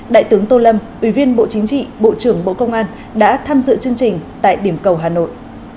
đại tướng tô lâm ủy viên bộ chính trị bộ trưởng bộ công an đã tham dự chương trình tại điểm cầu hà nội